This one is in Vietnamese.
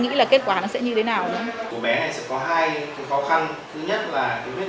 nghĩ là kết quả nó sẽ như thế nào nữa của bé này sẽ có hai cái khó khăn thứ nhất là cái vết